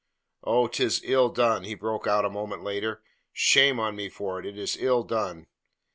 "Oh, 'tis ill done!" he broke out a moment later. "Shame on me for it; it is ill done!"